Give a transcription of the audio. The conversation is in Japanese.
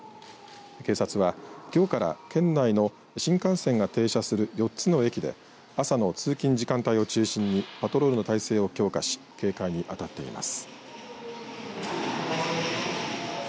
警察は、きょうから県内の新幹線が停車する４つの駅で朝の通勤時間帯を中心にパトロールの体制を強化し警戒にあたっています。